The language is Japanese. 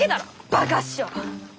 バカ師匠が！